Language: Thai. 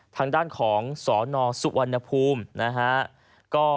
ทางด้านของสนสุวรรณภูมินะฮะ